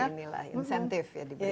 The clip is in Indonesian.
ada ini lah insentif ya diberikan